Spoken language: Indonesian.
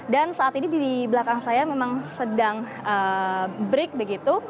dan saat ini di belakang saya memang sedang break begitu